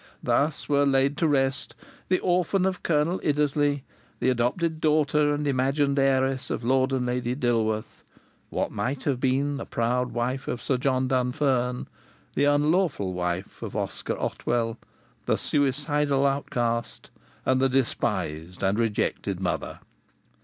Thus were laid to rest the orphan of Colonel Iddesleigh, the adopted daughter and imagined heiress of Lord and Lady Dilworth, what might have been the proud wife of Sir John Dunfern, the unlawful wife of Oscar Otwell, the suicidal outcast, and the despised and rejected mother.